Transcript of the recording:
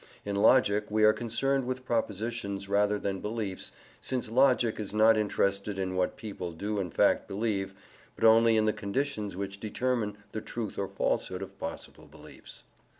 In logic we are concerned with propositions rather than beliefs, since logic is not interested in what people do in fact believe, but only in the conditions which determine the truth or falsehood of possible beliefs.